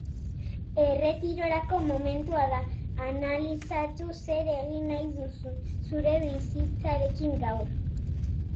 Erretirorako momentua da, analizatu zer egin nahi duzun zure bizitzarekin gaur.